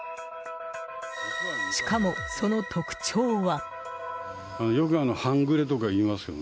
しかも、その特徴は。